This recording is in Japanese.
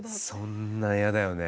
そんなん嫌だよね。